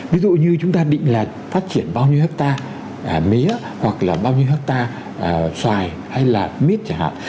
ví dụ như chúng ta định là phát triển bao nhiêu hectare mía hoặc là bao nhiêu hectare xoài hay là mít chẳng hạn